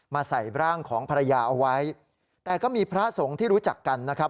ใส่ร่างของภรรยาเอาไว้แต่ก็มีพระสงฆ์ที่รู้จักกันนะครับ